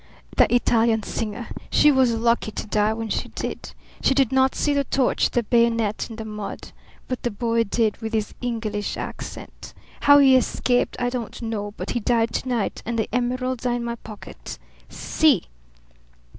"The Italian singer! She was lucky to die when she did. She did not see the torch, the bayonet, and the mud. But the boy did with his English accent! How he escaped I don't know; but he died to night, and the emeralds are in my pocket. See!"